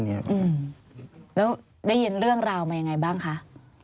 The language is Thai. แล้วได้ยินเรื่องราวมายังไงบ้างคะ